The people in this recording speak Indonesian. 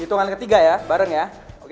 hitungan ketiga ya bareng ya